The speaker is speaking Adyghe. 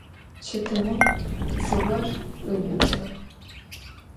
Çetıum tsığor ıubıtığ.